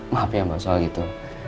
maaf ya mbak soal itu